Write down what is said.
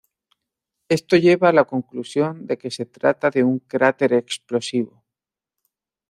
Esto lleva a la conclusión de que se trata de un cráter explosivo.